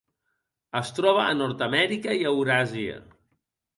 Es troba a Nord-amèrica i Euràsia.